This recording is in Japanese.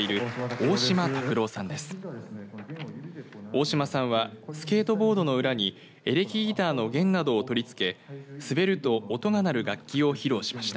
おおしまさんはスケートボードの裏にエレキギターの弦などを取り付け滑ると音が鳴る楽器を披露しました。